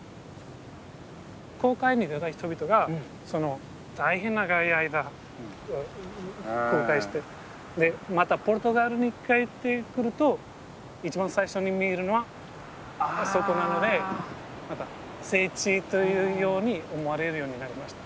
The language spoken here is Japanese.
航海に出た人々が大変長い間航海してでまたポルトガルに帰ってくると一番最初に見えるのはあそこなので聖地というように思われるようになりました。